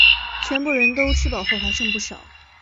全部人都吃饱后还剩不少